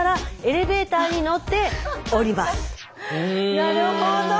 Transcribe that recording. なるほど！